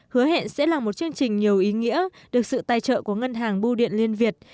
hứa hẹn sẽ là một chương trình nhiều ý nghĩa được sự tài trợ của ngân hàng bưu điện liên việt